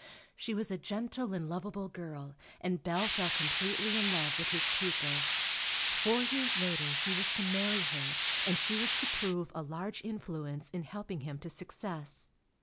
She was a gentle and lovable girl, and Bell fell completely in love with his pupil. Four years later he was to marry her and she was to prove a large influence in helping him to success.